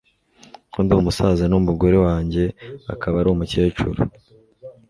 Ko ndi umusaza n'umugore wanjye akaba ari umukecuru?"